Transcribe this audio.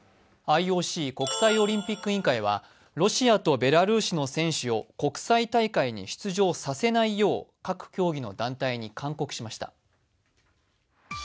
ＩＯＣ＝国際オリンピック委員会はロシアとベラルーシの選手を国際大会に出場させないよう各競技の団体に勧告しました。